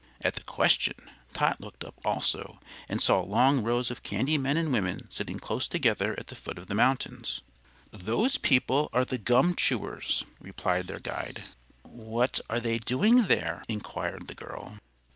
At the question, Tot looked up also and saw long rows of candy men and women sitting close together at the foot of the mountains. "Those people are the gum chewers," replied their guide. "What are they doing there?" inquired the girl.